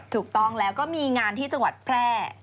ถูกต้องแล้วก็มีงานที่จังหวัดแพร่